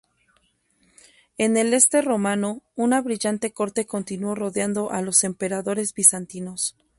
En el este romano, una brillante Corte continuó rodeando a los emperadores bizantinos.